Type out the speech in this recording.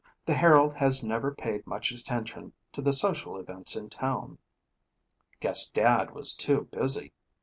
The Herald has never paid much attention to the social events in town. Guess Dad was too busy.